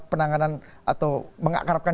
penanganan atau mengakarapkan